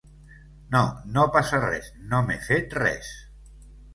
No, no passa res, no m'he fet res.